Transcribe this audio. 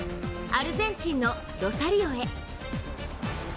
アルゼンチンのロサリオへ。